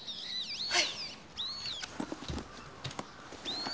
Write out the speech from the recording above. はい。